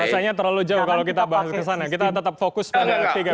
rasanya terlalu jauh kalau kita bangkit ke sana kita tetap fokus pada tiga periode